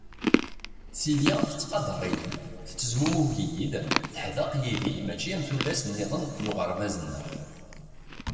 Silya tettqadar-iyi, tettezmumug-iyi-d, teḥdeq yid-i mačči am tullas-niḍen n uɣerbaz-nneɣ.